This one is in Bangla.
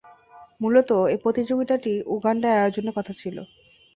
মূলতঃ এ প্রতিযোগিতাটি উগান্ডায় আয়োজনের কথা ছিল।